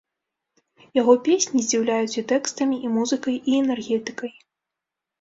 Яго песні здзіўляюць і тэкстамі, і музыкай, і энергетыкай.